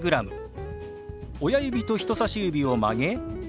親指と人さし指を曲げ